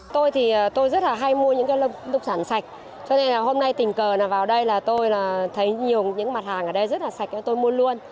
tôi rất hay mua những lục sản sạch cho nên hôm nay tình cờ vào đây tôi thấy nhiều mặt hàng ở đây rất sạch tôi mua luôn